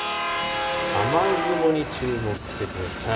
雨雲に注目してください。